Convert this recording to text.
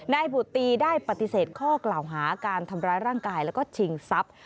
นายบุตีได้ปฏิเสธข้อกล่าวหาการทำร้ายร่างกายแล้วก็ชิงทรัพย์